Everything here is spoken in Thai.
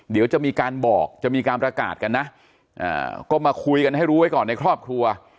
เดี๋ยวจะมีการบอกจะมีการประกาศกันนะก็มาคุยกันให้รู้ไว้ก่อนในครอบครัว